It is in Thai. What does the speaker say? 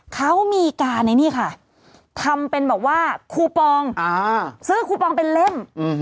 เขามีการทำเป็นคูปองซื้อคูปองเป็นเล่ม